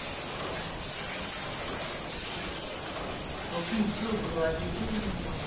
［時に勝負とは非情なもの］